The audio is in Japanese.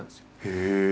へえ！